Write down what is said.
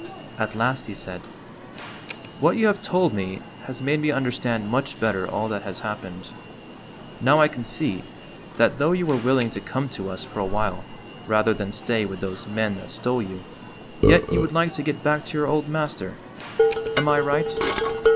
At last he said: "What you have told me has made me under stand much better all that has happened. Now I can see that, though you were willing to come to us for a while rather than stay with those men that stole you, yet you would like to get back to your old master. Am I right?"